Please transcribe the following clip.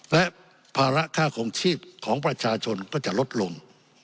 และภาระค่าของชีพของประชาชนก็จะลดลง